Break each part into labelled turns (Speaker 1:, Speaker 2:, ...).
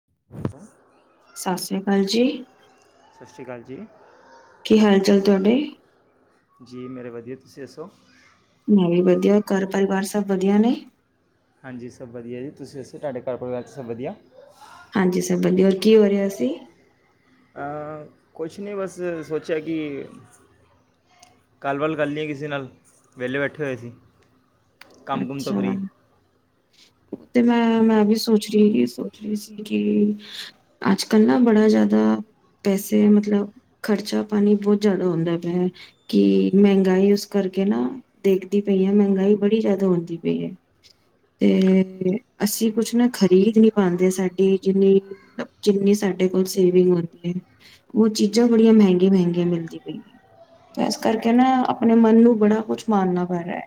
Speaker 1: ਹੈ [inaudible]
Speaker 2: ਸਤਿ ਸ੍ਰੀ ਅਕਾਲ ਜੀ
Speaker 1: ਸਤਿ ਸ਼੍ਰੀ ਅਕਾਲ ਜੀ
Speaker 2: ਕੀ ਹਾਲ ਚਾਲ ਤੁਹਾਡੇ
Speaker 1: ਜੀ ਮੇਰੇ ਵਧੀਆ ਤੁਸੀਂ ਦੱਸੋ
Speaker 2: ਮੈਂ ਵੀ ਵਧੀਆ ਘਰ ਪਰਿਵਾਰ ਸਭ ਵਧੀਆ ਨੇ
Speaker 1: ਹਾਂਜੀ ਸਭ ਵਧੀਆ ਜੀ ਤੁਸੀਂ ਉਸੇ ਤੁਹਾਡੇ ਘਰ ਪਰਿਵਾਰ ਚ ਸਬ ਵਧੀਆ
Speaker 2: ਹਾਂਜੀ ਸਬ ਵਧੀਆ, ਹੋਰ ਕੀ ਹੋ ਰਿਹਾ ਸੀ
Speaker 1: ਕੁਛ ਨਹੀਂ ਬਸ ਸੋਚਿਆ ਕਿ ਗੱਲਬੱਲ ਕਰ ਲਈੀ ਹੈ ਕਿਸੇ ਨਾਲ ਵਿਹਲੇ ਬੈਠੇ ਹੋਏ ਸੀ ਕੰਮ ਕੁਮ ਤੋਂ
Speaker 2: ਅੱਛਾ
Speaker 1: ਫਰੀ
Speaker 2: ਉਹ ਤੇ ਮੈਂ,
Speaker 1: ਹਮ,
Speaker 2: ਮੈਂ ਵੀ ਸੋਚ ਰਈ ਕਿ ਇਸ ਸੋਚ ਰੀ ਸੀ ਕਿ ਅੱਜ ਕੱਲ ਨਾ ਬੜਾ ਜਿਆਦਾ ਪੈਸੇ ਮਤਲਬ ਖਰਚਾ ਪਾਣੀ ਬੋਤ ਜਿਆਦਾ ਹੁੰਦਾ ਪਿਐ ਕਿ ਮਹਿੰਗਾਈ ਉਸ ਕਰਕੇ ਨਾ ਦੇਖਦੀ ਪਈ ਆ ਮਹਿੰਗਾਈ ਬੜੀ ਜਿਆਦਾ ਹੋਂ ਦੀ ਪਈ ਏ ਤੇ ਤੇ ਅਸੀ ਕੁਛ ਨਾ ਖਰੀਦ ਨੀ ਪਾਂਦੇ ਸਾਡੀ ਜਿੰਨੀ, ਜਿੰਨੀ ਸਾਡੇ ਕੋਲ ਸੇਵਿੰਗ ਹੋਂਦੀ ਐ, ਔ ਚੀਜ਼ਾਂ ਬੜੀਆਂ ਮਹਿੰਗੀਆਂ-ਮਹਿੰਗੀਆਂ ਮਿਲਦੀ ਪਈਐ। ਐਸ ਕਰਕੇ ਨਾ ਆਪਣੇ ਮਨ ਨੂੰ ਬੜਾ ਕੁਛ ਮਾਰਨਾ ਪੈ ਰਿਹੈ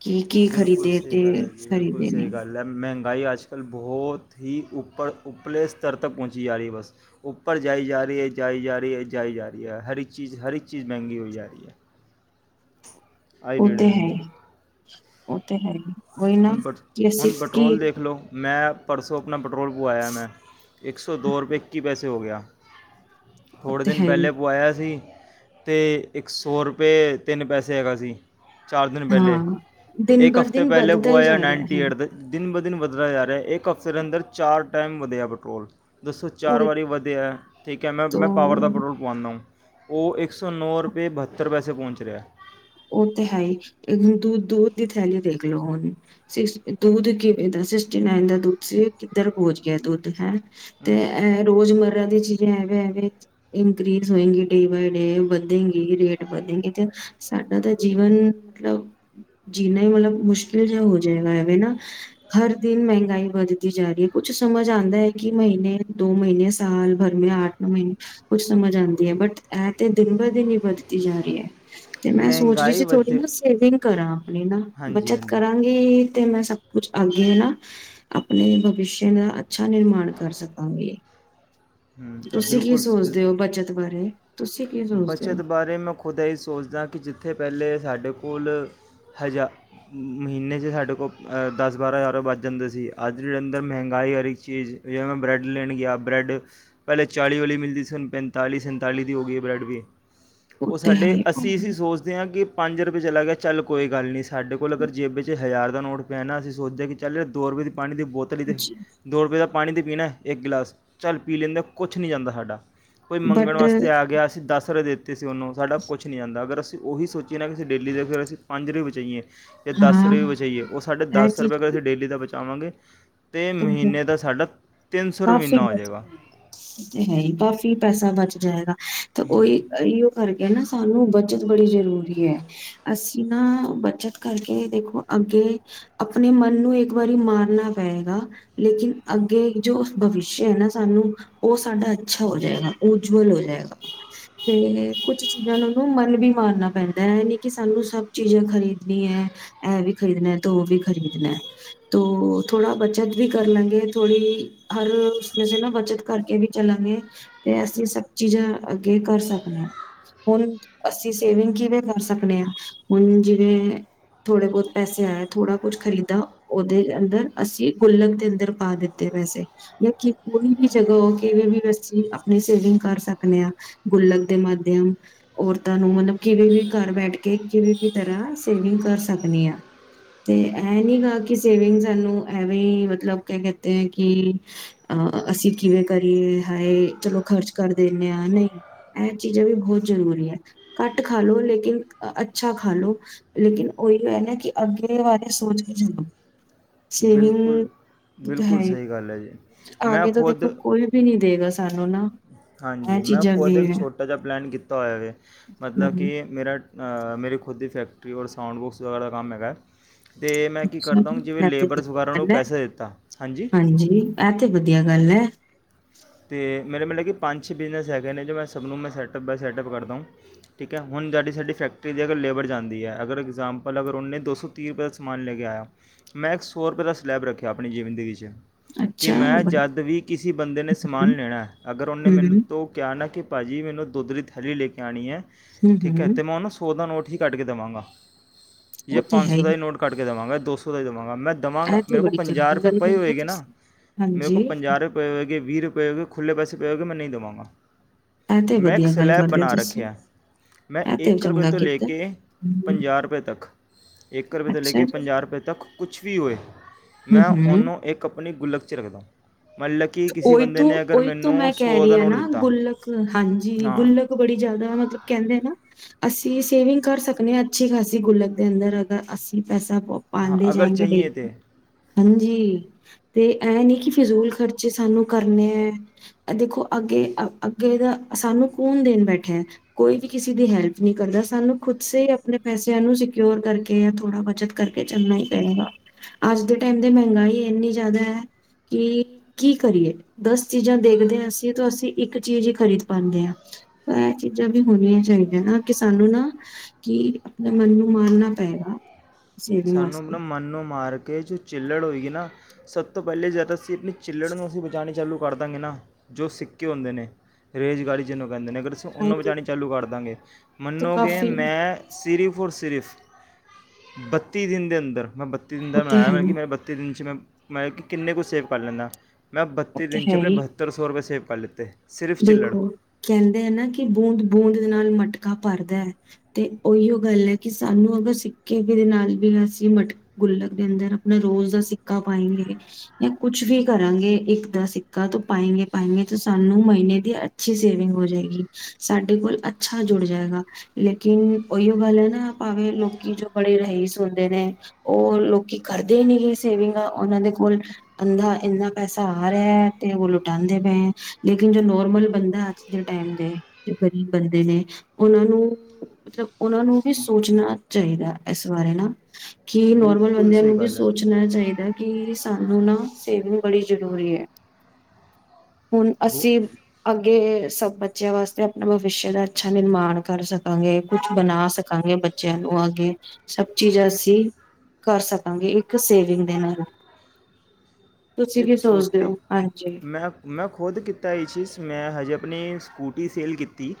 Speaker 2: ਕਿ ਕੀ
Speaker 1: ਬਿਲਕੁਲ
Speaker 2: ਖਰੀਦੇ
Speaker 1: ਸਈ
Speaker 2: ਤੇ
Speaker 1: ਗੱਲ ਐ ਜੀ, ਬਿਲਕੁਲ
Speaker 2: ਖਰੀਦੇ
Speaker 1: ਸਈ
Speaker 2: ਨਹੀਂ
Speaker 1: ਗੱਲ ਐ, ਮਹਿੰਗ ਗਾਈ ਅੱਜ ਕੱਲ੍ ਬਹੋਤ ਹੀ ਉੱਪਰ ਉੱਪਰਲੇ ਸਤਰ ਤੱਕ ਪਹੁੰਚੀ ਜਾ ਰਈ ਐ ਬਸ। ਉੱਪਰ ਜਾਈ ਜਾ ਰਈ ਐ, ਜਾਈ ਜਾ ਰਈ ਐ, ਜਾਈ ਜਾ ਰਈ ਐ। ਹਰ ਇੱਕ ਚੀਜ਼, ਹਰ ਇੱਕ ਚੀਜ਼ ਮਹਿੰਗੀ ਹੋਈ ਜਾ ਰਈ ਐ। ਆਈ
Speaker 2: ਉਹ ਤੇ ਹੈ
Speaker 1: ਡੇਡੇਂਦਾ
Speaker 2: ਹੀ ਉਹ ਤੇ ਹੈ ਈ।
Speaker 1: ਹੁਣ ਪੈਟ ਹੁਣ ਪੈਟਰੋਲ ਦੇਖ ਲੋ ਮੈਂ ਪੜਸੋਂ ਨਾ ਪੈਟਰੋਲ ਪਵਾਇਆ ਮੈਂ, ਇੱਕ ਸੌ ਦੋ ਰੁਪਏ ਇੱਕੀ ਪੈਸੇ ਤੇ ਹੋ ਗਿਆ। ਥੋੜ੍ਹੇ
Speaker 2: ਤੇ
Speaker 1: ਦਿਨ
Speaker 2: ਹੈ ਹੀ
Speaker 1: ਪਹਿਲੇ ਪੁਆਇਆ ਸੀ। ਤੇ ਇੱਕ ਸੌ ਰੁਪਏ ਤਿੰਨ ਪੈਸੇ ਹੈਗਾ ਸੀ। ਦਿਨ
Speaker 2: ਹਾਂ ਦਿਨਬਰ ਦਿਨ ਬਦ
Speaker 1: ਪੁਆਇਆ ਨਾਇੰਟੀ ਏਟ ਦੇ ਦਿਨ ਬ ਦਿਨ ਬਦਲਾ ਜਾ ਰਿਹੈ ਇੱਕ ਹਫਤੇ ਦੇ ਅੰਦਰ ਚਾਰ ਟੈਮ ਵਧਿਐ ਪੈਟਰੋਲ ਦੱਸੋ ਚਾਰ
Speaker 2: ਉਹ
Speaker 1: ਵਾਰੀ ਵਧੀਐ ਠੀਕ ਹੈ ਮੈਂ, ਮੈਂ ਪਾਵਰ ਦਾ
Speaker 2: ਤੋਂ
Speaker 1: ਪੈਟਰੋਲ ਪਾਵਾਉਂਨਾ ਉਂ। ਉਹ ਇੱਕ ਸੌ ਨੌ ਰੁਪਏ ਬਹੱਤਰ ਪੈਸੇ ਪਹੁੰਚ ਰਿਹੈ।
Speaker 2: ਉਹ ਤੇ ਹੈ ਈ। ਇੱਕ ਹੁਣ ਦੂਧ, ਦੁੱਧ ਦੀ ਥੈਲੀ ਦੇਖ ਲੋ ਹੁਣ। ਸਿਕਸ ਦੁੱਧ ਕਿਵੇਂ ਦਾ ਸਿਕਸਟੀ ਨਾਈਨ ਦਾ ਦੁੱਧ ਸੀ ਕਿੱਧਰ ਪੋਂਚ ਗਿਐ ਦੁੱਧ ਹੈਂ।
Speaker 1: ਹੁਣ
Speaker 2: ਤੇ
Speaker 1: ਸ-
Speaker 2: ਇਹ ਰੋਜ਼ਮਰਰਾ ਦੀ ਚੀਜ਼ ਜੇ ਐਂਵੇਂ-ਐਂਵੇਂ ਇਨਕ੍ਰਰੀਜ਼ ਹੋਏਗੇ ਡੇ ਬਾਏ ਡੇ ਵੱਧੇਂਗੀ ਰੇਟ ਵੱਧੇਗੇ ਤੇ ਸਾਡਾ ਤੇ ਜੀਵਨ ਮਤਲਬ ਜੀਣਾ ਈ ਮਤਲਬ ਮੁਸ਼ਕਿਲ ਜਿਆ ਹੋ ਜਾਏਗਾ ਐਂਵੇ ਨਾ। ਹਰ ਦਿਨ ਮਹਿੰਗਾਈ ਵੱਧਦੀ ਜਾ ਰੀ ਏ। ਕੁਛ ਸਮਝ ਆਂਦਾ ਏ ਕਿ ਮਹੀਨੇ ਦੋ ਮਹੀਨੇ ਯਾ ਸਾਲ ਭਰ ਮੇਂ ਅੱਠ-ਨੌ ਮਹੀਨੇ ਕੁਛ ਸਮਝ ਆਂਦੀ ਏ ਬਟ ਐ ਤੇ ਦਿਨ ਬ ਦਿਨ ਈ ਵੱਧਦੀ ਜਾ ਰੀ ਐ। ਤੇ ਮੈਂ ਸੋਚ ਰੀ
Speaker 1: ਮਹਿੰਗਾਈ
Speaker 2: ਸੀ ਥੋੜ੍ਹੀ
Speaker 1: ਵਧੇ
Speaker 2: ਨਾ ਸੇਵਿੰਗ ਕਰਾਂ। ਅਪਣੀ ਨਾ
Speaker 1: ਹਾਂਜੀ
Speaker 2: ਬੱਚਤ
Speaker 1: ਹਾਂਜੀ
Speaker 2: ਕਰਾਂਗੀ। ਤੇ ਮੈਂ ਸਭ ਕੁਛ ਅੱਗੇ ਨਾ ਅਪਣੇ ਭਵਿਸ਼ਯ ਦਾ ਅੱਛਾ ਨਿਰਮਾਣ ਕਰ ਸਕਾਂਗੀ।
Speaker 1: ਹਮ,
Speaker 2: ਤੁਸੀਂ ਕੀ
Speaker 1: ਬਿਲਕੁਲ ਸ- ਬਿਲ-
Speaker 2: ਸੋਚਦੇ ਔ ਬੱਚਤ ਬਾਰੇ? ਤੁਸੀਂ ਕੀ ਸੋਚਦੇ ਹੋ?
Speaker 1: ਬੱਚਤ ਬਾਰੇ ਮੈਂ ਖੁਦ ਐ ਈ ਸੋਚਦਾ ਕਿ ਜਿੱਥੇ ਪਹਿਲੇ ਸਾਡੇ ਕੋਲ ਹਜਾ ਮਹੀਨੇ ਚ ਸਾਡੇ ਕੋਲ ਅ ਦਸ ਬਾਰਾਂ ਹਜ਼ਾਰ ਰੁਪਏ ਬਚ ਜਾਂਦੇ ਸੀ। ਅੱਜ ਦੀ ਡੇਟ ਅੰਦਰ ਮਹਿੰਗਾਈ ਔਰ ਹਰ ਇੱਕ ਵਿਵੇਂ ਹੁਣ ਬ੍ਰੈਡ ਲੈਣ ਗਿਆ, ਬਰੈਡ ਪਹਿਲੇ ਚਾਲੀ ਵਾਲੀ ਮਿਲਦੀ ਸੀ ਹੁਣ ਪੰਤਾਲੀ-ਸੰਤਾਲੀ ਦੀ ਹੋ ਗਈ ਐ ਬ੍ਰੈਡ ਵੀ। ਉਹ
Speaker 2: ਤੇ ਹੈ
Speaker 1: ਸਾਡੇ
Speaker 2: ਹੀ
Speaker 1: ਅਸੀਂ ਸੀ ਸੋਚਦੇ ਆਂ ਕਿ ਪੰਜ ਰਪ ਵੀ ਚਲਾ ਗਿਆ, ਚੱਲ ਕੋਈ ਗੱਲ ਨੀ ਸ ਸਾਡੇ ਕੋਲ ਅਗਰ ਜੇਬੇ ਚ ਹਜ਼ਾਰ ਦਾ ਨੋਟ ਪੈਣਾ ਅਸੀਂ ਸੋਚਦੇ ਆਂ ਕਿ ਚੱਲ ਦੋ ਰੁਪਏ ਦੀ ਪਾਣੀ ਦੀ ਬੋਤਲ ਇਦੇ
Speaker 2: ਜੀ
Speaker 1: ਦੋ ਰੁਪਏ ਦਾ ਪਾਣੀ ਤਾਂ ਪੀਣਾ ਇੱਕ ਗਿਲਾਸ ਚੱਲ ਪੀ ਲੈਂਦੇ ਕੁਛ ਨਹੀਂ ਜਾਂਦਾ ਸਾਡਾ।
Speaker 2: ਬਟ।
Speaker 1: ਅੱਗੇ ਅਸੀਂ ਦਸ ਦੇ। ਅਤੇ ਅਸੀਂ ਉਹਨੂੰ ਸਾਡਾ ਕੁਛ ਨਹੀਂ ਜਾਂਦਾ ਅਗਰ ਅਸੀ। ਉਹੀ ਸੋਚੀਏ ਨਾ ਕਿ ਅਂ ਡੇਲੀ ਦੇ ਫਿਰ ਅਸੀਂ ਪੰਜ ਰੁਪਈਏ ਬਚਾਈਏ। ਜਾਂ ਦਸ
Speaker 2: ਹਾਂ
Speaker 1: ਰੁਪਏ ਬਚਾਈਏ ਉਹ ਸਾਡੇ
Speaker 2: ਇਹ
Speaker 1: ਦਸ ਰੁਪਏ
Speaker 2: ਚੀਜ਼
Speaker 1: ਅਗ
Speaker 2: ਵੀ
Speaker 1: ਅਸੀਂ ਡੇਲੀ ਦਾ ਬਚਏ। ਜਾਵਾਂਗੇ। ਰੁਪਏ
Speaker 2: ਕਾਫੀ
Speaker 1: ਮਹੀਨਾ ਹੋ ਜਾਏਗਾ
Speaker 2: ਬਚਦਾ ਹੈ, ਹੀ ਕਾਫੀ ਪੈਸਾ ਬਚਡਾ। ਜਾਏਗਾ। ਤੇ ਉਹੀ ਇਓ ਕਰਕੇ ਨਾ ਸਾਨੂੰ। ਬੱਚਤ ਬੜੀ ਜ਼ਰੂਰੀ ਹੈ ।ਅਸੀਂ ਨਾ ਬੱਚਤ ਕਰਕੇ ਦੇਖੋ ਅੱਗੇ ਆਪਣੇ ਮਨ ਨੂੰ ਇੱਕ ਵਾਰੀ ਮਾਰਨਾ ਪਏਗਾ। ਲੇਕਿਨ ਅੱਗੇ ਜੋ ਭਵਿਸ਼ਯ ਹੈ, ਨਾ ਸਾਨੂੰ ਉਹ ਸਾਡਾ ਅੱਛਾ ਹੋ ਜਾਏਗਾ। ਉਜਵਲ ਹੋ ਜਾਏਗਾ ਤੇ ਕੁਛ ਚੀਜ਼ਾਂ ਨੂੰਨੂੰ ਮਨ ਵੀ ਮਾਰਨਾ ਪੈਂਦਾ ਇਹ ਨੀ ਕਿ ਸਾਨੂੰ ਸਭ ਚੀਜ਼ਾਂ ਖ਼ਰੀਦਣੀ ਹੈ। ਇਹ ਵੀ ਖ਼ਰੀਦਣਾ ਤ ਉਹ ਵੀ ਖਰੀਦਣਾ ਤੋ ਥੋੜਾ। ਬੱਚਾ ਵੀ ਕਰ ਲਾਂਗੇ ਥੋੜ੍ਹੀ ਹਰ ਉਸਨ ਅਸੀਂ ਨਾ ਬੱਚਤ ਕਰਕੇ ਵੀ ਚੱਲਾਂਗੇ ਤੇ ਅਸੀਂ ਸਭ ਚੀਜ਼ਾਂ ਅੱਗੇ ਕਰ ਸਕਦੇ ਹਾਂ। ਹੁਣ ਅਸੀਂ ਸੇਵਿੰਗ ਕਿਵੇਂ ਕਰ ਸਕਦੇ ਹਾਂ। ਹੁਣ ਜਿਵੇਂ ਥੋੜੇ ਬਹੁਤ ਪੈਸੇ ਆਇਏ ਥੋੜਾ ਕੁਛ ਖਰੀਦਾ ਉਹਦੇ ਅੰਦਰ ਅਸੀਂ। ਗੁੱਲਕ ਦੇ ਅੰਦਰ ਪਾ ਦਿੱਤੇ ਵੈਸੇ ਜਾਂ ਕੋਈ ਵੀ ਜਗ੍ਹਾ ਕਿਵੇ ਵੀ ਵਸੀਂ ਆਪਣੀ ਸੇਵਿੰਗ ਕਰ ਸਕਦੇ ਹ। ਗੁੱਲਕ ਦੇ ਮਾਧਿਅਮ ਔਰਤਾਂ ਨੂੰ ਮਤਲਬ ਕਿਵੇ ਵੀ ਘਰ ਬੈਠ ਕੇ ਕਿਵੇ ਵੀ ਤਰ੍ਹਾਂ ਸੇਵਿੰਗ ਕਰ ਸਕਣੀ ਆ ਤੇ ਇਹ ਨੀ ਗਾ ਕਿ ਸੇਵਿੰਗ ਸਾਨੂੰ। ਐਵੇਂ ਹੀ ਮਤਲਬ ਕ ਕਹਿਤੇ ਹੈ ।ਕਿ ਅਹ ਅਸੀਂ ਕਿਵੇਂ ਕਰੀਏ ਹਾਏ ਚਲੋ ਖਰਚ ਕਰ ਦਿੰਦੇ ਹਾਂ। ਨਹੀਂ ਇਹ ਚੀਜ਼ਾਂ ਵੀ ਬਹੁਤ ਜ਼ਰੂਰੀ ਹੈ। ਘੱਟ ਖਾ ਲੋ ਲੇਕਿਨ ਅੱਛਾ ਖਾ ਲੋ ਲੇਕਿਨ ਉਹੀ ਕ ਨਾ ਕਿ ਅੱਗੇ ਬਾਰੇ ਸੋਚ ਕੇ ਚਲੋ।
Speaker 1: ਬਿਲਕੁਲ
Speaker 2: ਸੇਵਿੰਗ
Speaker 1: ਬਿਲਕੁਲ
Speaker 2: ਹੈ।
Speaker 1: ਸਹੀ ਗੱਲ ਹੈ ਜੀ ਮੈਂ
Speaker 2: ਆਗੇ ਤਾਂ ਦੇਖੋ
Speaker 1: ਖੁਦ
Speaker 2: ਕੋਈ ਵੀ ਨਹੀਂੀ ਦੇਗਾ। ਸਾਨੂੰ ਨਾ।
Speaker 1: ਹਾਂਜੀ
Speaker 2: ਇਹ
Speaker 1: ਮੈਂ
Speaker 2: ਚੀਜ਼ਾਂ
Speaker 1: ਖੁਦ
Speaker 2: ਵੀ
Speaker 1: ਇੱਕ
Speaker 2: ਹੈ
Speaker 1: ਛੋਟਾ ਜਿਹਾ ਪਲੈਨ ਕੀਤਾ ਹੋਇਆ ਵ ਮਤਲਬ
Speaker 2: ਹੂੰ,
Speaker 1: ਕਿ ਮੇਰਾ। ਮੇਰੀ ਖੁਦ ਦੀ ਫੈਕਟਰੀ ਔਰ ਸਾਊਂਡ ਬੁਕਸ ਵਗੈਰਾ ਦਾ ਕੰਮ ਹੈਗਾ। ਅਤੇ ਮੈਂ ਕੀ
Speaker 2: ਅੱਛਾ
Speaker 1: ਕਰਦਾ ਹਾਂ
Speaker 2: ਜੀ ਹਾਂਜੀ
Speaker 1: ਜਿਵੇਂ
Speaker 2: ਇਹ ਤੇ
Speaker 1: ਲੇਬਰਸ
Speaker 2: ਵਧੀਆ
Speaker 1: ਵਗੈਰਾ ਨੂੰ
Speaker 2: ਗੱਲ ਹੈ।
Speaker 1: ਪੈਸੇ ਦਿੱਤਾ
Speaker 2: ਹਾਂਜੀ ਇਹ ਤੇ ਵਧੀਆ ਗੱਲ ਹੈ। [inaudible]
Speaker 1: ਅਤੇ ਮੇਰੇ ਮਤਲਬ ਕਿ ਪੰਜ ਛੇ ਬਿਜ਼ਨਸ ਹੈਗੇ ਨੇ ।ਜੋ ਮੈਂ ਸਭ ਨੂੰ ਮੈਂ ਸੈਟਅੱਪ ਬਾਏ ਸੈਟਅੱਪ ਕਰਦਾ। ਠੀਕ ਹੈ ਹੁਣ ਸਾਡੀ ਸਾਡੀ ਫੈਕਟਰੀ ਦੀ ਅਗਰ ਲੇਬਰ ਜਾਂਦੀ ਹੈ ।ਅਗਰ ਇਗਜ਼ਾਮਪਲ ਅਗਰ ਉਹਨੇ ਦੋ ਸੌ ਤੀਹ ਰੁਪਏ ਦਾ ਸਮਾਨ ਲੈ ਕੇ ਆਇਆ ਮੈਂ ਇੱਕ ਸੌ ਰੁਪਏ ਦਾ ਸਲੈਬ ਰੱਖਿਆ ਆਪਣੀ ਜ਼ਿੰਦਗੀ ਚ ਕਿ
Speaker 2: ਅੱਛਾ
Speaker 1: ਮੈਂ
Speaker 2: ਹੂੰ
Speaker 1: ਜਦ ਵੀ ਕਿਸੇ ਬੰਦੇ ਨੇ
Speaker 2: ਹੂੰ
Speaker 1: ਸਮਾਨ ਲੈਣਾ ਅਗਰ ਉਹਨੇ ਮੈਨੂੰ ਤੋਂ ਕਿਹਾ ਨਾ ਕਿ ਭਾਅ ਜੀ ਮੈਨੂੰ ਦੁਧ ਦੀ ਥੈਲੀ ਲੈ ਕੇ ਆਉਣੀ ਹੈ।
Speaker 2: ਹੂੰ
Speaker 1: ਠੀਕ ਹੈ
Speaker 2: ਹੂੰ
Speaker 1: ।ਤੇ ਮੈਂ ਉਹ ਨਾ ਸੌ ਦਾ ਨੋਟ ਅਸੀਂ ਕੱਢ ਕੇ ਦੇਵਾਂਗਾ।
Speaker 2: ਉਹ
Speaker 1: ਜਾਂ
Speaker 2: ਤੇ
Speaker 1: ਪੰਜ
Speaker 2: ਹੈ
Speaker 1: ਸੌ ਦਾ ਹੀ ਨੋਟ ਕੱਢ ਕੇ ਦੇਵਾਂਗਾ। ਦ ਸੌ ਦਾ ਜਮਗ ਮੈਂ ਦੇਵਾਂਗਾ।
Speaker 2: ਇਹ ਤੇ
Speaker 1: ਮੇਰੇ ਕੋਲ
Speaker 2: ਬੜੀ
Speaker 1: ਪੰਜਾਹ
Speaker 2: ਚੰਗੀ
Speaker 1: ਰੁਪਏ
Speaker 2: ਗੱਲ
Speaker 1: ਪਏ
Speaker 2: ਕਰਦੇ ਹੋ
Speaker 1: ਹੋਏਗੇ। ਨਾ
Speaker 2: ਤੁਸੀਂ।
Speaker 1: ਮੇਰੇ
Speaker 2: ਹਾਂਜੀ,
Speaker 1: ਕੋਲ ਪੰਜਾਹ ਰੁਪਏ ਪਏ ਹੋਏਗੇ ਵੀਹ ਰੁਪਏ ਖੁੱਲੇੈੇ ਪਏ ਹੋਗੇ ਮੈਂ ਨਹੀਂ ਦੇਵਾਂਗਾ।
Speaker 2: ਇਹ ਤੇ
Speaker 1: ਮੈਂ ਇੱਕ
Speaker 2: ਵਧੀਆ ਗੱਲ
Speaker 1: ਸਲੈਬ
Speaker 2: ਕਰਦੇ ਹੋ
Speaker 1: ਬਣਾ
Speaker 2: ਤੁਸੀਂ।
Speaker 1: ਰੱਖਿਆ ।ਮੈਂ
Speaker 2: ਇਹ ਤੇ
Speaker 1: ਇੱਕ ਰੁਪਏ
Speaker 2: ਚੰਗਾ
Speaker 1: ਤੋਂ ਲੈ
Speaker 2: ਕੀਤਾ।
Speaker 1: ਕੇ
Speaker 2: ਹੂੰ,
Speaker 1: ਪੰਜਾਹ ਰੁਪਏ ਤੱਕ, ਇੱਕ ਰੁਪਏ ਤੋਂ ਲੈ
Speaker 2: ਅੱਛਾ
Speaker 1: ਕੇ
Speaker 2: ਜੀ,
Speaker 1: ਪੰਜਾਹ ਰੁਪਏ ਤੱਕ ਕੁਛ ਵੀ ਹੋਏ ਮੈਂ
Speaker 2: ਹੂੰ-ਹੂੰ
Speaker 1: ਉਹਨੂੰ ਇੱਕ ਪਣੀ ਗੁੱਲਕ ਚ ਰੱਖਦਾਂ। ਮੱਲ ਕੀ ਕਿਸੀ ਵ
Speaker 2: ਉਹੀ ਤੋਂ ਓਈ ਮੈਂ ਕਹਿ ਰਹੀ ਹਾਂ ਨਾ ਗੁੱਲਕ, ਹਾਂਜੀ।
Speaker 1: ਹਾਂ
Speaker 2: ਗੁੱਲਕ ਬੜੀ ਜਿਆਦਾ ਮਤਲਬ ਕਹਿੰਦੇ ਨਾ ਅਸੀਂ ਸੇਵਿੰਗ ਕਰ ਸਕਨੇ ਆਂ ਅੱਛੀ ਖਾਸੀ ਗੁੱਲਕ ਦੇ ਅੰਦਰ, ਅਗਰ ਅਸੀਂ ਪੈਸਾ
Speaker 1: ਹਾਂ
Speaker 2: ਪ-ਪਾਂਦੇ
Speaker 1: ਅਗਰ
Speaker 2: ਜਾਏਂਗੇ
Speaker 1: ਚਾਹੀਏ ਤਾਂ
Speaker 2: ਡੇਲੀ। ਹਾਂ ਜੀ ਤੇ ਏਹ ਨੀ ਕੀ ਫਜ਼ੂਲ ਖਰ ਜੇ ਸਾਨੂੰ ਕਰਨੇ ਐ। ਅ ਦੇਖੋ ਅੱਗੇ ਅ-ਅੱਗੇ ਦਾ ਸਾਨੂੰ ਕੋਣ ਦੇਣ ਬੈਠਾ ਐ। ਕੋਈ ਵੀ ਕਿਸੀ ਦੀ ਹੈਲਪ ਨਹੀਂ ਕਰਦਾ। ਸਾਨੂੰ ਖੁਦ ਸੇ ਈ ਆਪਣੇ ਪੈਸਿਆਂ ਨੂੰ ਸਿਕਿਓਰ ਕਰਕੇ ਜਾਂ ਥੋੜ੍ਹਾ ਬੱਚਤ ਕਰਕੇ ਚੱਲਣਾ ਈ ਪਏਗਾ। ਅੱਜ ਦੇ ਟਾਈਮ ਦੇ ਮਹਿੰਗਾਈ ਇੰਨੀ ਜ਼ਿਆਦਾ ਐ ਕਿ ਕੀ ਕਰੀਏ। ਦਸ ਚੀਜ਼ਾਂ ਦੇਖਦੇ ਆ ਅਸੀਂ ਤੋ ਅਸੀਂ ਇੱਕ ਚੀਜ਼ ਹੀ ਖਰੀਦ ਪਾਂਦੇ ਆਂ। ਏਹ ਚੀਜ਼ਾਂ ਵੀ ਹੋਣੀਆਂ ਚਾਈਦੀਆਂ ਨਾ ਕਿ ਸਾਨੂੰ ਨਾ, ਕਿ ਆਪਣੇ ਮਨ ਨੂੰ ਮਾਰਨਾ ਪਏਗਾ। ਸੇਵਿੰਗ
Speaker 1: ਸਾਨੂੰ ਆਪਣਾ
Speaker 2: ਵਾਸਤੇ
Speaker 1: ਮਨ ਨੂੰ ਮਾਰ ਕੇ ਜੋ ਚਿੱੱਲੜ ਹੋਵੇਗੀ ਨਾ ਸਭ ਤੋਂ ਪਹਿਲੇ ਜਦ ਅਸੀਂ ਆਪਣੀ ਚਿਲੜ ਨੂੰ ਅਸੀਂ ਬਚਾਣੀ ਚਾਲੂ ਕਰ ਦਾਂਗੇ ਨਾ। ਜੋ ਸਿੱਕੇ ਹੁੰਦੇ ਨੇ ਰੇਜ਼ ਗਾੜੀ ਜਿਹਨੂੰ ਪੈਂਦੇ ਨੇ ਅਗਰ ਅਸੀਂ ਉਹਨੂੰ
Speaker 2: ਹਾਂਜੀ
Speaker 1: ਬਚਾਣੀ ਚਾਲੂ ਕਰ ਦਾਂਗੇ।
Speaker 2: ਤਾਂ
Speaker 1: ਮੰਨੋਗੇ
Speaker 2: ਕਾਫੀ
Speaker 1: ਮੈਂ ਸਿਰੀਫ ਔਰ ਸਿਰਿਫ ਬਚ ਤੀਹ ਦਿਨ ਦੇ ਅੰਦਰ ਮੈਂ ਬਤ ਤੀ ਦਿਨ
Speaker 2: ਉਹ
Speaker 1: ਦਾ
Speaker 2: ਤੇ
Speaker 1: ਮੈਂ ਏਹ
Speaker 2: ਹੈ
Speaker 1: ਵੈ ਕਿ
Speaker 2: ਨੀ
Speaker 1: ਮੈਂ ਬੱਤੀ ਦਿਨ ਚ ਮੈਂ ਮਲ ਕਿ ਕਿੰਨੇ ਕੁ ਸੇਵ ਕਰ ਲੈਂਨਾਂ। ਮੈਂ ਆਪ
Speaker 2: ਉਹ
Speaker 1: ਬੱਤੀ
Speaker 2: ਤੇ
Speaker 1: ਦਿਨ ਚ
Speaker 2: ਹੈ
Speaker 1: ਆਪਣੇ
Speaker 2: ਹੀ
Speaker 1: ਬਹੱਤਰ ਸੌ ਰੁਪਏ ਸੇਵ ਪਲ ਲਿੱਤੇ ਸਿਰਫ ਚਿੱਲੜ
Speaker 2: ਦੇਖੋ ਕੈਂਦੇਂ ਐ ਨਾ ਕਿ ਬੂੰਦ ਬੂੰਦ ਦੇ ਨਾਲ ਮਟਕ ਕਾ ਭਰਦਾ ਐ। ਤੇ ਉਈਓ ਗੱਲ ਐ ਕਿ ਸਾਨੂੰ ਅਗਰ ਸਿੱਕੇ ਵੀ ਦੇ ਨਾਲ ਵੀ ਅਸੀਂ ਮਟ ਗੁੱਲਕ ਦੇ ਅੰਦਰ ਆਪਣੇ ਰੋਜ਼ ਦਾ ਸਿੱਕਾ ਪਾਏਂਗੇ ਯਾਂ ਕੁਛ ਵੀ ਕਰਾਂਗੇ ਇੱਕ ਦਾ ਸਿੱਕਾ ਤੋ ਪਾਏਂਗੇ ਪਾਏਂਗੇ ਤਾਂ ਸਾਨੂੰ ਮਹੀਨੇ ਦੀ ਅੱਛੀ ਸੇਵਿੰਗ ਹੋ ਜਏਗੀ। ਸਾਡੇ ਕੋਲ ਅ ਅੱਛਾ ਜੁੜ ਜਏਗਾ। ਲੇਕਿਨ ਉਈਓ ਗੱਲ ਐ, ਨਾ ਭਾਵੇਂ ਲੋਕੀ ਜੋ ਬੜੇ ਰਹੀਸ ਹੋਂਦੇ ਨੇ, ਉਹ ਲੋਕੀ ਕਰਦੇ ਨੀ ਗੇ ਸੇਵਿੰਗਾਂ ਉਹਨਾਂ ਦੇ ਕੋਲ ਅੰਧ੍ਹਾ ਇੰਨਾ ਪੈਸਾ ਆ ਰਿਆ ਐ ਤੇ ਓਹ ਲੁਟਾਦੇ ਪਏਂ ਐ। ਲੇਕਿਨ ਜੋ ਨੋਰਮਲ ਬੰਦਾ ਐ, ਅੱਜ ਦੇ ਟਾਈਮ ਦੇ ਜੋ ਗ਼ਰੀਬ ਬੰਦੇ ਨੇ। ਉਹਨਾਂ ਨੂੰ ਮਤਲਬ, ਉਹਨਾਂ ਨੂੰ ਵੀ ਸੋਚਣਾ ਚਾਈਦੈ, ਇਸ ਬਾਰੇ ਨਾ। ਕਿ ਨੋਰਮਲ
Speaker 1: ਬਿਲਕੁਲ
Speaker 2: ਬੰਦਿਆਂ
Speaker 1: ਸਹੀ
Speaker 2: ਨੂੰ ਵੀ
Speaker 1: ਗੱਲ ਹੈ
Speaker 2: ਸੋਚਣਾ ਚਾਹੀਦਾ ਕਿ ਸ ਸਾਨੂੰ ਨਾ ਸੇਵਿੰਗ ਬੜੀ ਜ਼ਰੂਰੀ ਐ।
Speaker 1: ਬਹੁ
Speaker 2: ਅਸੀਂ, ਅੱਗੇ ਸਭ ਬੱਚਿਆਂ ਵਾਸਤੇ ਆਪਣਾ ਭਵਿਸ਼ ਦਾ ਅੱਛਾ ਨਿਰਮਾਣ ਕਰ ਸਕਾਂਗੇ। ਕੁਛ ਬਣਾ ਸਕਾਂਗੇ ਬੱਚਿਆਂ ਨੂੰ ਅਗੇ, ਸਭ ਚੀਜ਼ ਅਸੀਂ ਕਰ ਸਕਾਂਗੇ, ਇੱਕ ਸੇਵਿੰਗ ਦੇ ਨਾਲ। ਤੁਸੀਂ
Speaker 1: ਇੱਕ
Speaker 2: ਕੀ ਸੋਚਦੇ
Speaker 1: ਛੋਟੀ
Speaker 2: ਹੋ ਹਾਂਜੀ
Speaker 1: ਮੈਂ-ਮੈਂ ਖੁਦ ਕੀਤ ਤਾਂ ਇਹ ਚੀਜ਼, ਮੈਂ ਹਜੇ ਆਪਣੀ ਸਕੂਟੀ ਸੇਲ ਕੀਤੀ।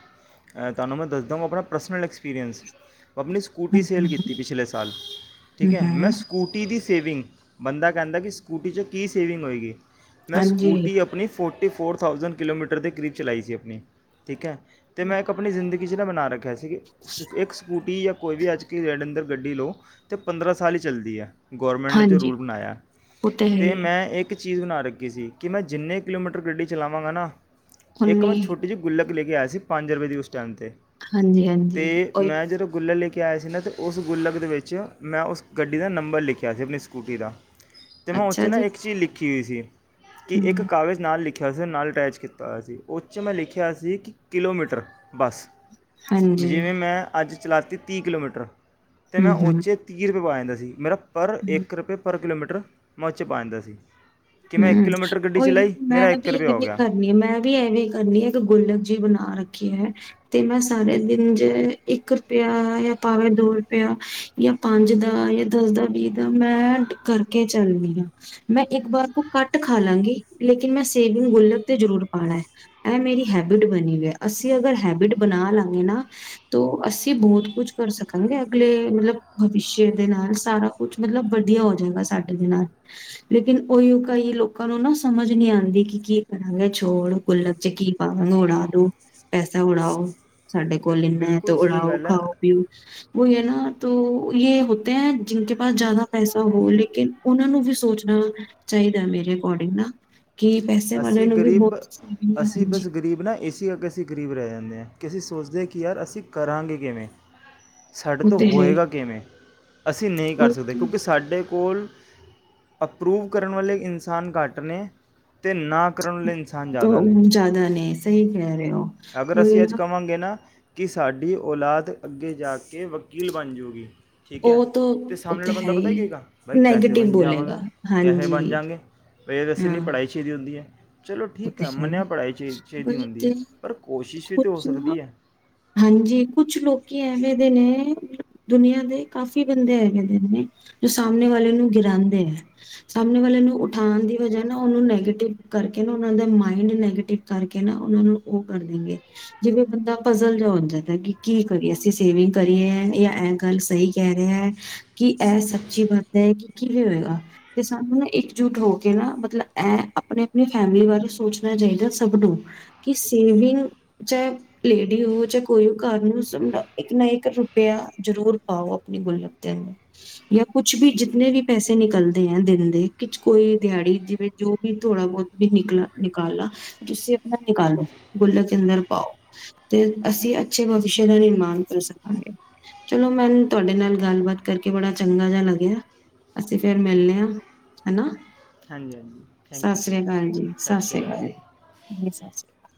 Speaker 1: ਤਾਨੂੰ ਮੈਂ ਦੱਸ ਦਵਾਂ ਆਪਣਾ ਪਰਸਨਲ ਐਕਸਪੀਰੀਅੰਸ। ਪਣੀ ਸਕੂਟੀ
Speaker 2: ਹਮ
Speaker 1: ਸੇਲ
Speaker 2: ਹਮ
Speaker 1: ਕੀਤੀ ਪਿਛਲੇ ਸਾਲ। ਠੀਕ
Speaker 2: ਹਮ
Speaker 1: ਏ, ਮੈਂ
Speaker 2: ਹਮ
Speaker 1: ਸਕੂਟੀ ਦੀ ਸ ਸੇਵਿੰਗ। ਬੰਦਾ ਕਹਿੰਦਾ ਕਿ ਸਕੂਟੀ ਚ ਕੀ ਸੇਵਿੰਗ ਹੋਏਗੀ। ਮੈਂ
Speaker 2: ਹਾਂਜੀ
Speaker 1: ਸਕੂਟੀ ਆਪਣੀ forty four thousand kilometre ਦੇ ਕਰੀਬ ਚਲਾਈ ਸੀ ਆਪਣੀ, ਠੀਕ ਐ। ਤੇ ਮੈਂ ਇੱਕ ਆਪਣੀ ਜ਼ਿੰਦਗੀ ਕਿਸ ਨਾ ਬਣਾ ਰੱਖਿਆ ਸੀ। ਸ ਇੱਕ ਸਕੂਟੀ ਜਾਂ ਕੋਈ ਵੀ ਅੱਜ ਕੀ ਰੇਡ ਅੰਦਰ ਗੱਡੀ ਲਓ ਤੇ ਪੰਦਰਾਂ ਸਾਲ ਹੀ ਚੱਲਦੀ ਐ। ਗੌਰਮੈਂਟ ਚ ਰੂਲ
Speaker 2: ਹਾਂਜੀ
Speaker 1: ਬਣਾਇਆ।
Speaker 2: ਉਹ ਤਾਂ ਹੈ
Speaker 1: ਤੇ
Speaker 2: ਹੀ
Speaker 1: ਮੈਂ ਇੱਕ ਚੀਜ਼ ਬਣਾ ਰੱਖੀ ਸੀ ਕਿ ਮੈਂ ਜਿੰਨੇ ਕਿਲੋਮੀਟਰ ਗੱਡੀ ਚਲਾਵਾਂਗਾ ਨਾ ਇੱਕ ਮੈਂ
Speaker 2: ਉੱਨੀ
Speaker 1: ਛੋਟੀ ਜਿਹੀ ਗੁੱਲਬ ਇੱਕ ਲੈ ਕੇ ਆਇਆ ਸੀ ਪੰਜ ਰੁਪਏ ਦੀ ਉਸਟ। ਜਾਂਦੇ
Speaker 2: ਹਾਂਜੀ-ਹਾਂਜੀ,
Speaker 1: ਤੇ
Speaker 2: ਉਹੀ
Speaker 1: ਮੈਂ ਜਦੋਂ ਗੁੱਲ ਲੇ ਕੇ ਕਿਹਾ ਆ ਸੀ ਨਾ ਤੇ ਉਸ ਗੁੱਲਕ ਦੇ ਵਿੱਚ ਮੈਂ ਉਸ ਗੱਡੀ ਦਾ ਨੰਬਰ ਲਿਖਿਆ ਸੀ ਆਪਣੀ ਸਕੂਟੀ ਦਾ। ਤੈਮੋਰ। ਇਹ ਚ
Speaker 2: ਅੱਛਾ
Speaker 1: ਨਾ
Speaker 2: ਜੀ,
Speaker 1: ਇੱਕ ਚੀਜ਼ ਲਿਖੀ ਕੀ ਸੀ ਕੀ ਇੱਕ
Speaker 2: ਹੂੰ,
Speaker 1: ਕਾਗਜ਼ ਨਾਲ ਲਿਖ ਵੈਸੇ ਨਾਲ ਅਟੈਚ ਕੀਤਾ ਹੋਇਆ ਸੀ, ਉਹ ਚ ਮੈਂ ਲਿਖਿਆ ਸੀ ਕਿ ਕਿਲੋਮੀਟਰ ਬਸ,
Speaker 2: ਹਾਂਜੀ,
Speaker 1: ਜਿਵੇਂ ਮੈਂ ਅੱਜ ਚਲਾਤੀ ਤੀਹ ਕਿਲੋਮੀਟਰ ਤੇ ਮੈਂ
Speaker 2: ਹੂੰ-ਹੂੰ, ਹੂੰ।
Speaker 1: ਉਚੇ ਤੀਹ ਰੁਪਏ ਪਵਾਏ ਆਂਦਾ ਸੀ। ਦੀ ਮੇਰਾ ਪਰ
Speaker 2: ਹੂੰ।
Speaker 1: ਇੱਕ ਰੁਪਏ ਪਰ ਕਿਲੋਮੀਟਰ। ਟਰ। ਮੱਚ ਪਾਂਦਾ ਸੀ। ਕਿ ਮੈਂ ਇੱਕ
Speaker 2: ਹੂੰ,
Speaker 1: ਕਿਲੋਮੀਟਰ ਗੱਡੀ
Speaker 2: ਉਹੀ
Speaker 1: ਚਲਾਈ
Speaker 2: ਮੈਂ
Speaker 1: ਮੇਰਾ ਇੱਕ
Speaker 2: ਵੀ
Speaker 1: ਰੁਪਇਆ ਹੋ
Speaker 2: ਐਵੇਂ
Speaker 1: ਗਿਆ
Speaker 2: ਕਰਨੀ ਐ ਮੈਂ ਵੀ ਐਵੇਂ ਕਰਨੀ ਐ ਇੱਕ ਗੁੱਲਕ ਜੀ ਬਣਾ ਰੱਖੀ ਐ। ਤੇ ਮੈਂ ਸਾਰੇ ਦਿਨ ਜ ਇੱਕ ਰੁਪਇਆ ਜਾਂ ਭਾਵੇਂ ਦੋ ਰੁਪਇਆ ਜਾਂ ਪੰਜ ਦਾ ਜਾਂ ਦਸ ਦਾ ਵੀਹ ਦਾ ਮੈਂ ਕਰਕੇ ਚੱਲਦੀ ਆਂ, ਮੈਂ ਇੱਕ ਵਾਰ ਉਹ ਕੱਟ ਖਾ ਲਵਾਂਗੇ ਲੇਕਿਨ ਮੈਂ ਸੇਵਿੰਗ ਗੁੱਲਕ ਤੇ ਜ਼ਰੂਰ ਪਾਣਾ ਹੈ, ਇਹ ਮੇਰੀ ਹੈਬਿਟ ਬਣੀ ਹੋਈ ਅਸੀਂ ਅਗਰ ਹੈਬਿਟ ਬਣਾ ਲਾਂਗੇ ਨਾ ਤੋ ਅਸੀਂ ਬਹੁਤ ਕੁਝ ਕਰ ਸਕਾਂਗੇ ਅਗਲੇ ਮਤਲਬ ਭਵਿਸ਼ਯ ਦੇ ਨਾਲ ਸਾਰਾ ਕੁਛ ਮਤਲਬ ਵਧੀਆ ਹੋ ਜਾਏਗਾ ਸਾਡੇ ਦੇ ਨਾਲ ਲੇਕਿਨ ਉਹੀ ਕਈ ਲੋਕਾਂ ਨੂੰ ਨਾ ਸਮਝ ਨੀ ਆਂਦੀ ਕਿ ਕੀ ਕਰਾਂਗੇ ਛੋੜ ਗੁੱਲਕ ਚ ਕੀ ਪਾਵਾਂਗੇ ਉਡਾ ਦੋ ਪੈਸਾ ਉਡਾਓ। ਸਾਡੇ
Speaker 1: ਬਿ-
Speaker 2: ਕੋਲ ਇੰਨਾ ਹੈ ਤੇ
Speaker 1: ਬਿਲਕੁਲ ਸਹੀ
Speaker 2: ਉਡਾਓ
Speaker 1: ਗੱਲ ਹੈ
Speaker 2: ਖਾਓ- ਪੀਓ। ਉਹੀ ਹੈ ਨਾ ਤੋ ਯਹ ਹੋਤੇ ਹੈ ਜਿਨਕੇ ਪਾਸ ਜ਼ਿਆਦਾ ਪੈਸਾ ਹੋ ਲੇਕਿਨ ਉਹਨਾਂ ਨੂੰ ਵੀ ਸੋਚਣਾ ਚਾਹੀਦਾ ਮੇਰੇ ਅਕੋਰਡਿੰਗ ਨਾ। ਕਿ ਪੈਸੇ ਵਾਲੇ
Speaker 1: ਅਸੀਂ
Speaker 2: ਨੂੰ ਵੀ
Speaker 1: ਗਰੀਬ
Speaker 2: ਬਹੁਤ ਸੇਵਿੰਗ
Speaker 1: ਅਸੀਂ ਬਸ
Speaker 2: ਹਾਂਜੀ
Speaker 1: ਗਰੀਬ ਨਾ ਇਸੇ ਕਰਕੇ ਅਸੀਂ ਗਰੀਬ ਰਹਿ ਜਾਂਦੇ ਹਾਂ। ਕਿਸੀ ਸੋਚਦੇ ਕਿ ਯਾਰ ਅਸੀਂ ਕਰਾਂਗੇ ਕਿਵੇਂ। ਸਾਡੇ
Speaker 2: ਉਹ
Speaker 1: ਤੋਂ
Speaker 2: ਤੇ ਹੈ
Speaker 1: ਹੋਏਗਾ ਕਿਵੇਂ। ਅਸੀਂ ਨਹੀਂ ਕਰ
Speaker 2: ਉਹੀ
Speaker 1: ਸਕਦੇ ਕਿਉਂਕਿ ਸਾਡੇ ਕੋਲ ਅਪਰੂਵ ਕਰਨ ਵਾਲੇ ਇਨਸਾਨ ਘੱਟ ਨੇ। ਤੇ ਨਾ। ਕਰਨ ਵਾਲੇ ਇਨਸਾਨ ਜ਼ਿਆਦਾ ਨੇ
Speaker 2: ਜ਼ਿਆਦਾ ਨੇ ਸਹੀ ਕਹਿ ਰਹੇ ਹੋ
Speaker 1: ਅਗਰ
Speaker 2: ਹੋ
Speaker 1: ਅਸੀਂ ਅੱਜ
Speaker 2: ਨਾ।
Speaker 1: ਕਵਾਂਗੇ ਨਾ ਕਿ ਸਾਡੀ ਔਲਾਦ ਅੱਗੇ ਜਾ ਕੇ ਵਕੀਲ ਬਣ ਜਾੂਗੀ
Speaker 2: ਉਹ ਤਾਂ ਉਥੇ ਹੈ ਹੀ
Speaker 1: ਬਾਈ ਕੈਸੇ
Speaker 2: ਨੈਗੇਟਿਵ
Speaker 1: ਬਣ
Speaker 2: ਬੋਲੇਗਾ
Speaker 1: ਜਾਵਾਂਗਾ
Speaker 2: ਹਾਂਜੀ ਹਾਂ।
Speaker 1: ਅੱਛੀ ਦੀ ਹੁੰਦੀ ਹੈ। ਚਲੋ ਠੀਕ
Speaker 2: ਹੈ
Speaker 1: ਮੰਨਿਆ ਪੜ੍ਹਾਈ ਚਾਹੀ ਚਾਹੀਦੀ ਹੁੰਦੀ
Speaker 2: ਤੇ
Speaker 1: ਹੈ ਪਰ ਕੋਸ਼ਿਸ਼ ਵੀ ਤਾਂ ਹੋ
Speaker 2: ਕੁਛ
Speaker 1: ਸਕਦੀ ਹੈ
Speaker 2: ਹਾਂਜੀ ਕੁੱਛ ਲੋਕੀ ਐਵੇਂ। ਨੇ ਦੁਨੀਆਂ ਦੇ ਕਾਫ਼ੀ ਬੰਦੇ ਹੈਗੇ ਨੇ ਜੋ ਸਾਹਮਣੇ ਵਾਲੇ ਨੂੰ ਗਿਰਾਉਂਦੇ ਹੈ ਸਾਹਮਣੇ ਵਾਲੇ ਨੂੰ ਉਠਾਉਣ ਦੀ ਵਜ੍ਹਾ ਨਾ ਉਹਨੂੰ ਨੈਗੇਟਿਵ ਕਰਕੇ। ਉਹਨਾਂ ਦੇ ਮਾਇੰਡ ਨੈਗੇਟਿਵ ਕਰਕੇ ਨਾ ਉਹਨਾਂ ਨੂੰ ਉਹ ਕਰ ਦੇਗੇ ਜਿਵੇਂ ਬੰਦਾ ਪਜ਼ਲ ਜਿਹਾ ਹੋ ਜਾਂਦਾ ਕਿ ਕੀ ਕਰੀਏ ਅਸੀਂ ਸੇਵਿੰਗ ਕਰੀਏ ਜਾਂ ਇਹ ਗੱਲ ਸਹੀ ਕਹਿ ਰਿਹਾ ਹੈ ।ਕਿ ਇਹ ਸੱਚੀ ਬਾਤ ਹੈ ਕਿ ਕਿਵੇਂ ਹੋਏਗਾ ਤੇ ਸਾਨੂੰ ਨਾ ਇਕਜੁੱਟ ਹੋ ਕੇ ਨਾ ਮਤਲਬ ਇਹ ਆਪਣੇ ਫੈਮਲੀ ਬਾਰੇ ਸੋਚਣਾ ਚਾਹੀਦਾ ਸਭ ਨੂੰ ਕਿ ਸੇਵਿੰਗ ਚਾਹੇ ਲੇਡੀ ਹੋ ਚਾਹ ਕੋਈ ਹੋ ।ਘਰ ਨੂੰ ਇੱਕ ਨਾ ਇੱਕ ਰੁਪਆ ਜਰੂਰ ਪਾਓ ਆਪਣੀ ਗੁੱਲ ਦੇ ਅੰਦਰ ਜਾਂ ਕੁਛ ਵੀ ਜਿਤਨੇ ਵੀ ਪੈਸੇ ਨਿਕਲਦੇ ਆ ਦਿਨ ਦੇ ਕੋਈ ਦਿਹਾੜੀ ਜਿਵੇਂ ਜੋ ਵੀ ਥੋੜਾ ਬਹੁਤ। ਵੀ ਨਿਕਲ ਨਿਕਾਲਣਾ ਤੁਸੀਂ ਆਪਣਾ ਨਿਕਾਲੋ ਗੁੱਲ ਕੇੰਦਰ ਪਾਓ ਤੇ ਅਸੀਂ ਅੱਛੇ ਭਵਿਸ਼ਯ ਦਾ ਨਿਰਮਾਣ ਕਰ ਸਕਾਂਗੇ ਚਲੋ ਮੈਨੂੰ ਤੁਹਾਡੇ ਨਾਲ ਗੱਲਬਾਤ ਕਰਕੇ ਬੜਾ ਚੰਗਾ ਜਿਹਾ ਲੱਗਿਆ ਅਸੀਂ ਫੇਿਰ ਮਿਲਦੇ ਹਾਂ ਹਨਾ।
Speaker 1: ਹਾਂਜੀ ਹਾਂਜੀ ਥੈਂਕ ਯੂ।
Speaker 2: ਸਤਿ ਸ਼੍ਰੀ ਅਕਾਲ ਜੀ ਸਤਿ ਸ਼੍ਰੀ ਅਕਾਲ ਜੀ ਸਤਿ ਸ਼੍ਰੀ ਅਕਾਲ।